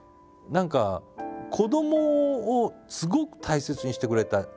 何か子どもをすごく大切にしてくれた。